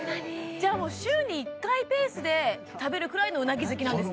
じゃあもう週に１回ペースで食べるくらいのうなぎ好きなんですね？